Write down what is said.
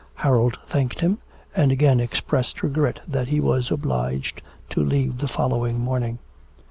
Harold thanked him, and again expressed regret that he was obliged to leave the following morning.